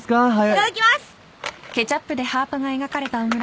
いただきます！